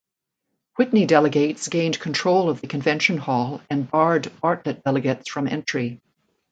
Whitney delegates gained control of the convention hall and barred Bartlett delegates from entry.